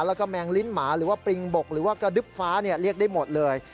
แล้วก็แมงลิ้นหมาหรือว่าปริงบกหรือว่ากระดึ๊บฟ้าเรียกได้หมดเลย